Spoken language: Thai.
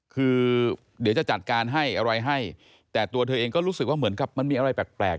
คือเดี๋ยวจะจัดการให้อะไรให้แต่ตัวเธอเองก็รู้สึกว่าเหมือนกับมันมีอะไรแปลก